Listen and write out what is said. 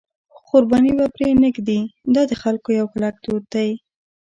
خو قرباني به پرې نه ږدي، دا د خلکو یو کلک دود دی.